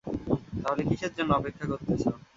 তাহলে কিসের জন্য অপেক্ষা করতেছো?